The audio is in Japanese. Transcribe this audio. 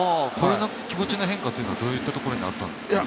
気持ちの変化はどういうところにあったんですか？